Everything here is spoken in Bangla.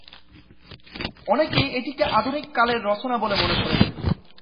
অনেকে এটিকে আধুনিক কালের রচনা বলে মনে করেন।